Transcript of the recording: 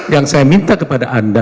yang saya minta kepada anda